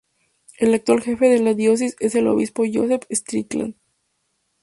El actual jefe de la Diócesis es el Obispo Joseph Strickland.